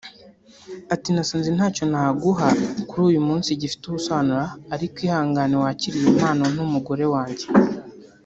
Ati “Nasanze ntacyo naguha kuri uyu munsi gifite ubusobanuro ariko ihangane wakire iyi mpano nto mugore wanjye